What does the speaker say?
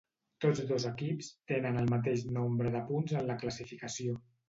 Tots dos equips tenen el mateix nombre de punts en la classificació.